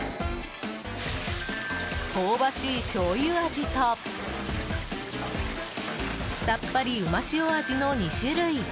香ばしいしょうゆ味とさっぱりうま塩味の２種類。